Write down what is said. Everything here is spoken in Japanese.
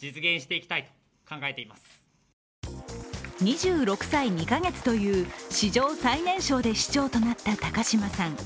２６歳２か月という史上最年少で市長となった高島さん。